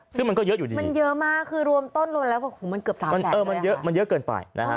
ซึ่งมันก็เยอะอยู่ดีมันเยอะมากคือรวมต้นรวมแล้วมันเกือบ๓๐๐มันเยอะมันเยอะเกินไปนะฮะ